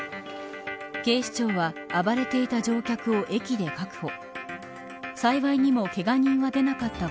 警視庁は、暴れていた乗客を駅で確保。